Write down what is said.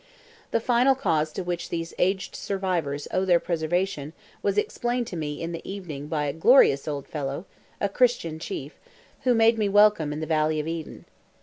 The final cause to which these aged survivors owed their preservation was explained to me in the evening by a glorious old fellow (a Christian chief), who made me welcome in the valley of Eden.